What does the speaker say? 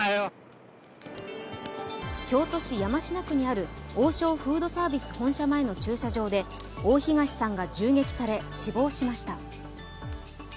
京都市山科区にある王将フードサービス本社前の駐車場で大東さんが銃撃され死亡しました。